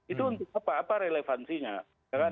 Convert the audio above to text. itu untuk apa relevansinya